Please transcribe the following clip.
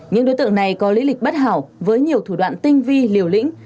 những đối tượng này có lý lịch bất hảo với nhiều thủ đoạn tinh vi liều lĩnh